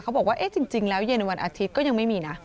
บอกว่าจริงแล้วเย็นวันอาทิตย์ก็ยังไม่มีนะ